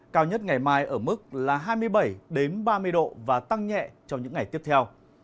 cao nhất ngày mai ở mức hai mươi bảy ba mươi độ và tăng nhẹ trong những ngày tiếp theo